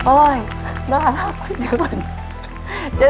โอ้ยน่ารักคุณเดิน